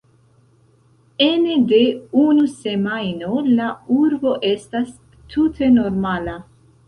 Ene de unu semajno la urbo estas tute normala